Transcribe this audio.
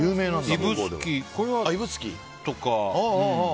指宿とか。